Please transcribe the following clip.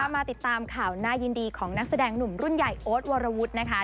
มาติดตามข่าวน่ายินดีของนักแสดงหนุ่มรุ่นใหญ่โอ๊ตวรวุฒินะคะ